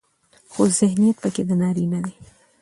خو ذهنيت پکې د نارينه دى